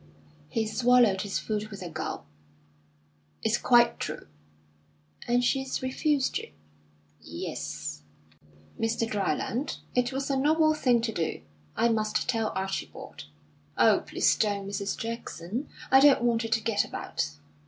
He swallowed his food with a gulp. "It's quite true." "And she's refused you?" "Yes!" "Mr. Dryland, it was a noble thing to do. I must tell Archibald." "Oh, please don't, Mrs. Jackson! I don't want it to get about."